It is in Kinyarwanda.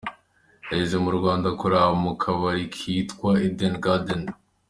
Yageze mu Rwanda akorera mu kabari kitwaga Eden Garden.